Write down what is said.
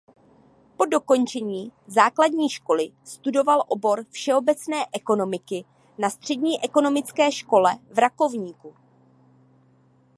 Po dokončení základní školy studoval obor všeobecné ekonomiky na Střední ekonomické škole v Rakovníku.